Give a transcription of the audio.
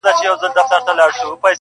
خلک يو بل ملامتوي ډېر سخت,